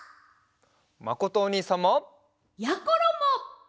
まことおにいさんも！やころも！